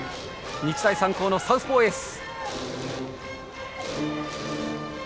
日大三高のサウスポーエース。